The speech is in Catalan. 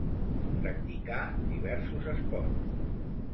Practicà diversos esports.